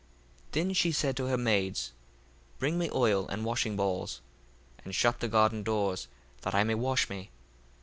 1:17 Then she said to her maids, Bring me oil and washing balls, and shut the garden doors, that I may wash me.